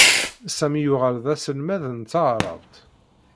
Sami yuɣal d aselmad n taɛṛabt.